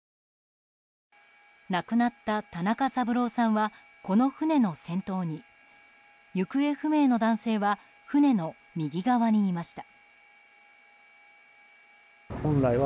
亡くなった５１歳の男性はこの船の先頭に行方不明の男性は船の右側にいました。